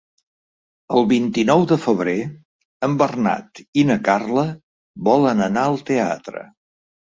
El vint-i-nou de febrer en Bernat i na Carla volen anar al teatre.